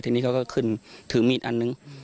ทีนี้เขาก็ขึ้นถือมีดอันนึง